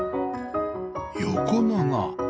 横長